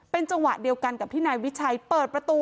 เป็นจังหวะเดียวกันกับที่นายวิชัยเปิดประตู